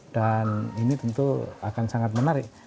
dan ini tentu akan sangat menarik